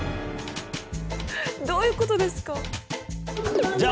どういうことですか？